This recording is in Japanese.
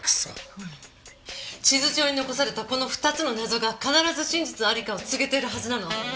地図上に残されたこの２つの謎が必ず真実のありかを告げてるはずなの。